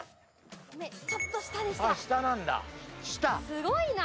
すごいな。